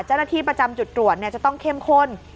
เจ้าหน้าที่ประจำจุดตรวจจะต้องเข้มข้น